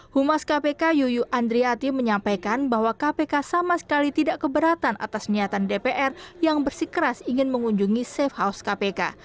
humas kpk yuyuk andriati menyampaikan bahwa kpk sama sekali tidak keberatan atas niatan dpr yang bersikeras ingin mengunjungi safe house kpk